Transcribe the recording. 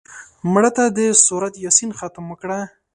مړه ته د سورت یاسین ختم وکړه